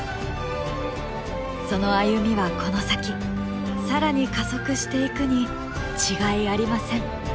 その歩みはこの先更に加速していくに違いありません。